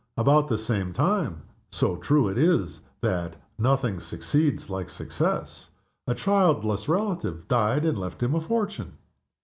About the same time so true it is that "nothing succeeds like success" a childless relative died and left him a fortune.